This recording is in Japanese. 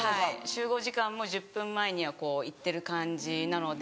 集合時間も１０分前には行ってる感じなので。